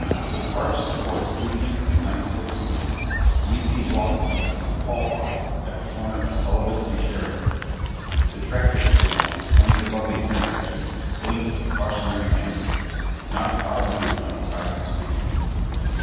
With arch supports squeaking and night stick swinging, Whedbee walked east to the call box at the corner of Sullivan and Cherokee. The traffic signal suspended above the intersection blinked a cautionary amber. Not a car moved on the silent streets.